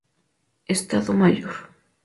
Estado Mayor.